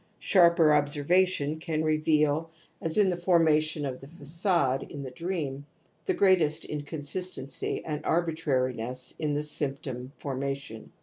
Sharper observation can reveal, as in the forma tion of the fa9ade in the dream, the greatest inconsistency and arbitrariness in the symptom formation.